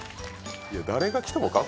誰が来てもか？